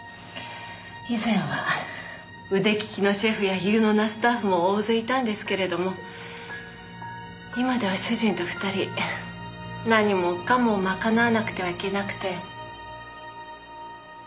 以前は腕利きのシェフや有能なスタッフも大勢いたんですけれども今では主人と２人何もかもまかなわなくてはいけなくて。